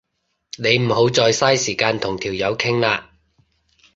你唔好再嘥時間同條友傾啦